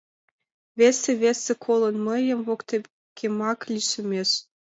Весе, весе, колын мыйым, воктекемак лишемеш.